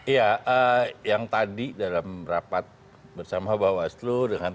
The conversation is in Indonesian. ya yang tadi dalam rapat bersama bawaslu dengan